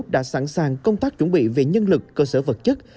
đã sẵn sàng công tác chuẩn bị về nhân lực cơ sở vật chất